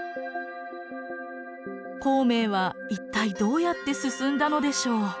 孔明は一体どうやって進んだのでしょう？